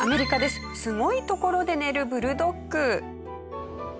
すごい所で寝るブルドッグ。